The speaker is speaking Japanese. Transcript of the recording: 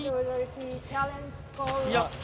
いや。